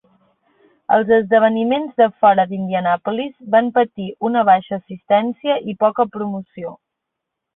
Els esdeveniments de fora d'Indianapolis van patir una baixa assistència i poca promoció.